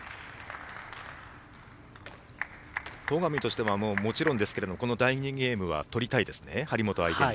戸上としてはこの第２ゲームは取りたいですね、張本相手に。